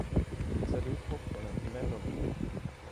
Fixar du popcornen till mellon ikväll?